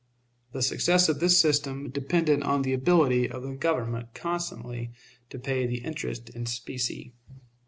The success of this system depended on the ability of the Government constantly to pay the interest in specie.